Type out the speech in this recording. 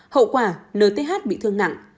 hậu quả nth bị thương nặng